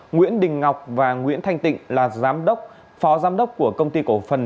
nguyễn đình ngọc và nguyễn thanh tịnh là giám đốc phó giám đốc của công ty cổ phần